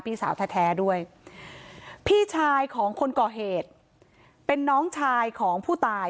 พี่สาวแท้ด้วยพี่ชายของคนก่อเหตุเป็นน้องชายของผู้ตาย